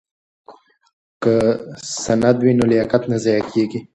که سند وي نو لیاقت نه ضایع کیږي.